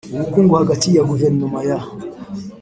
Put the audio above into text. Ubukungu hagati ya Guverinoma ya